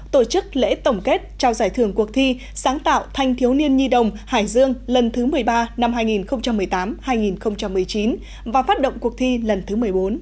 tổ chức lễ tổng kết trao giải thưởng cuộc thi sáng tạo thanh thiếu niên nhi đồng hải dương lần thứ một mươi ba năm hai nghìn một mươi tám hai nghìn một mươi chín và phát động cuộc thi lần thứ một mươi bốn